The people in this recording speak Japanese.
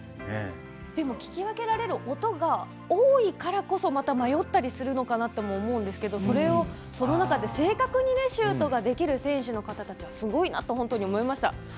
聞き分けられる音が多いからこそまた迷ったりするのかなとも思うんですけどその中で正確にシュートができる選手の方々は本当にすごいなと思いました。